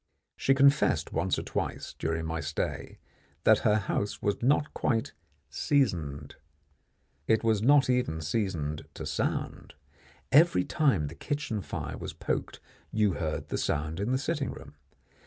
She confessed once or twice during my stay that her house was not quite "seasoned." It was not even seasoned to sound. Every time the kitchen fire was poked you heard the sound in the sitting room.